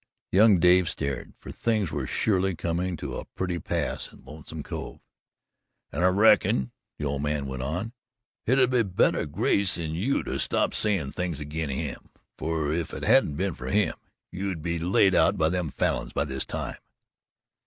Young Dave stared, for things were surely coming to a pretty pass in Lonesome Cove. "An' I reckon," the old man went on, "hit 'ud be better grace in you to stop sayin' things agin' him; fer if it hadn't been fer him, you'd be laid out by them Falins by this time."